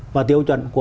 và tiêu chuẩn của